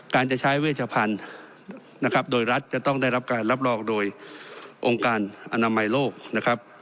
การจะใช้เวชพันธุ์โดยรัฐจะต้องได้รับรองโดยองค์การอนามัยโลกนะครับ